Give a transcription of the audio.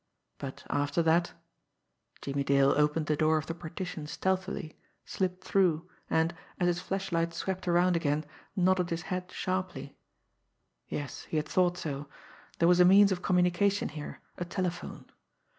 But after that Jimmie Dale opened the door of the partition stealthily, slipped through, and, as his flashlight swept around again, nodded his head sharply yes, he had thought so! there was a means of communication here a telephone.